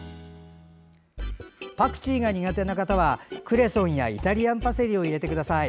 パクチーが苦手な方はクレソンやイタリアンパセリを入れてください。